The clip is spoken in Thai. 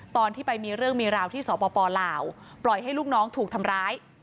ตอนที่ไปมีเรื่องมีราวที่สปลาวปล่อยให้ลูกน้องถูกทำร้าย